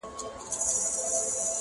o پردى غم تر واورو سوړ دئ٫